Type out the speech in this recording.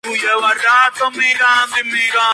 La menor, Cristina, nació fuerte y sana.